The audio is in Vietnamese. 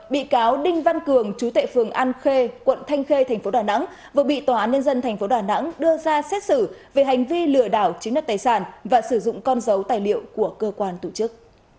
một chú tệ phường an khê quận thanh khê tp đà nẵng vừa bị tòa án nhân dân tp đà nẵng đưa ra xét xử về hành vi lừa đảo chính đất tài sản và sử dụng con dấu tài liệu của cơ quan tổ chức